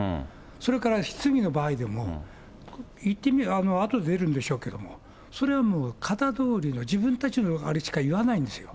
それから質疑の場合でも、言ってみれば、あとで出るんでしょうけれども、それはもう型どおりの自分たちのあれしか言わないんですよ。